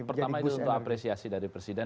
pertama ini untuk apresiasi dari presiden